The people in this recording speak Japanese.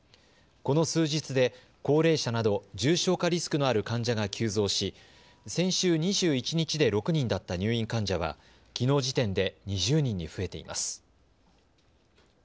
この数日で高齢者など重症化リスクのある患者が急増し先週２１日で６人だった入院患者はきのう時点で２０人に増えています。